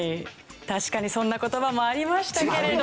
確かにそんな言葉もありましたけれども。